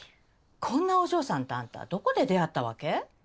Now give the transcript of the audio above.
こんなお嬢さんとあんたどこで出会ったわけ？